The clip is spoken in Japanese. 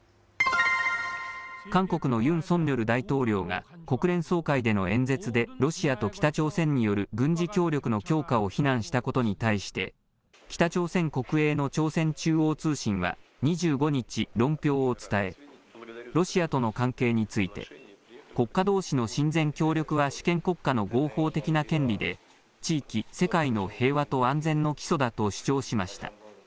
韓国のユン・ソンニョル大統領が国連総会での演説で、ロシアと北朝鮮による軍事協力の強化を非難したことに対して、北朝鮮国営の朝鮮中央通信は、２５日、論評を伝え、ロシアとの関係について、国家どうしの親善・協力は主権国家の合法的な権利で地域、世界の平和と安全の基礎だと主張しました。